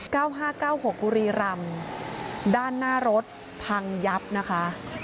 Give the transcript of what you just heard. ห้าเก้าหกบุรีรำด้านหน้ารถพังยับนะคะ